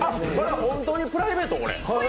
本当にプライベート？